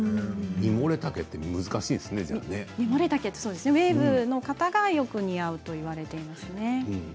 ミモレ丈はウエーブの方がよく似合うと言われていますね。